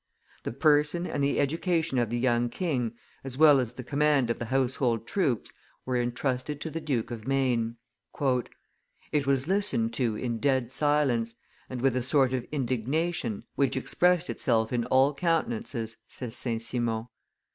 The person and the education of the young king, as well as the command of the household troops, were intrusted to the Duke of Maine. "It was listened to in dead silence, and with a sort of indignation, which expressed itself in all countenances," says St. Simon.